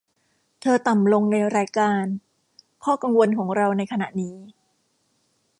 เธอต่ำลงในรายการข้อกังวลของเราในขณะนี้